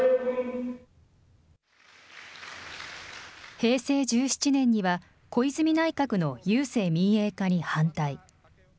平成１７年には、小泉内閣の郵政民営化に反対。